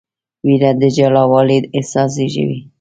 ویره د جلاوالي احساس زېږوي.